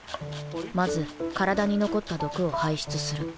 まず体に残った毒を排出する